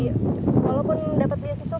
walaupun dapat beasiswa